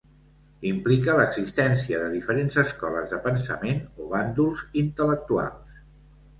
Implica l'existència de diferents escoles de pensament o bàndols intel·lectuals.